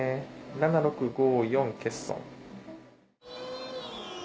７６５４欠損。